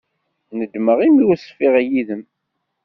Nedmeɣ imi ur ṣfiɣ yid-m.